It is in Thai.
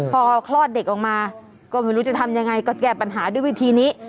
พอคลอดเด็กออกมาก็ไม่รู้จะทำยังไงก็แก้ปัญหาด้วยวิธีนี้